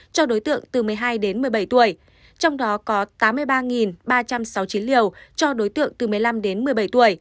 cho đối tượng từ một mươi hai đến một mươi bảy tuổi trong đó có tám mươi ba ba trăm sáu mươi chín liều cho đối tượng từ một mươi năm đến một mươi bảy tuổi